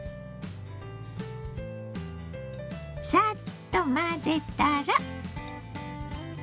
サッと混ぜたら。